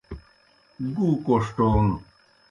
گُو کوݜٹون